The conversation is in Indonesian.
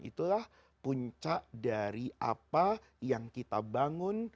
itulah puncak dari apa yang kita bangun